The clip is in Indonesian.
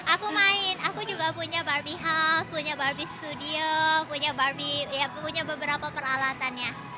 aku main aku juga punya barbie house punya barbie studio punya barbie punya beberapa peralatannya